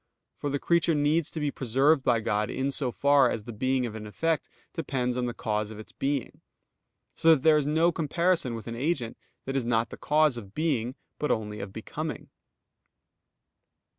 For the creature needs to be preserved by God in so far as the being of an effect depends on the cause of its being. So that there is no comparison with an agent that is not the cause of being but only of _becoming.